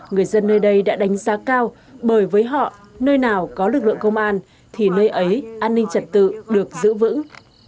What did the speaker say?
người dân nơi đây đã đánh giá cao bởi với họ nơi nào có lực lượng công an thì nơi ấy an ninh trật tự được giữ vững